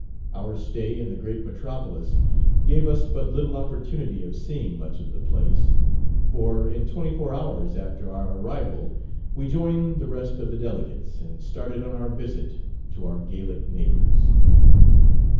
Our stay in the great metropolis gave us but little opportunity of seeing much of the place; for in twenty four hours after our arrival we joined the rest of the delegates, and started on our visit to our Gallic neighbours.